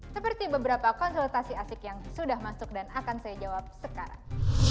seperti beberapa konsultasi asik yang sudah masuk dan akan saya jawab sekarang